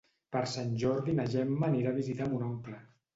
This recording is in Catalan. Per Sant Jordi na Gemma anirà a visitar mon oncle.